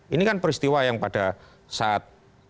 ini kan peristiwa yang pada saat